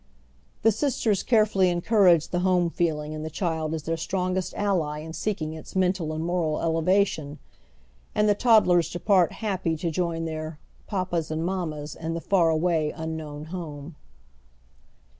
Tlie sisters carefully en courage the iiome feeling in the child as their sti ongest ally in seeking its mental and moral elevation, and the tod dlers depart happy to join their " papas and mammas " in the far away, unknown home.